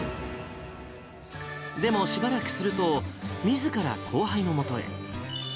でもしばらくすると、みずから後輩のもとへ。